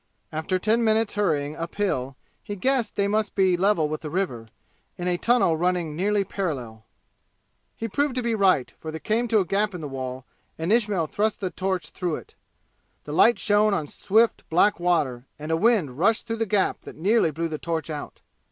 After ten minutes' hurrying uphill he guessed they must be level with the river, in a tunnel running nearly parallel. He proved to be right, for they came to a gap in the wall, and Ismail thrust the torch through it. The light shone on swift black water, and a wind rushed through the gap that nearly blew the torch out.